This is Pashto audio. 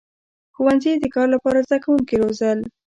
• ښوونځي د کار لپاره زدهکوونکي روزل.